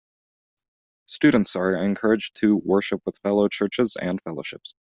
Students are encouraged to worship with local churches and fellowships.